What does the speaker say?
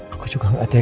aku juga gak hati hati